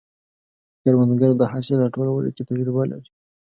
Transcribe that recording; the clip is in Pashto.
کروندګر د حاصل راټولولو کې تجربه لري